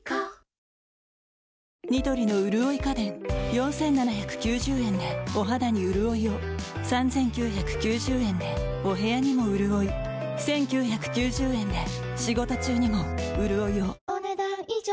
４，７９０円でお肌にうるおいを３，９９０円でお部屋にもうるおい１，９９０円で仕事中にもうるおいをお、ねだん以上。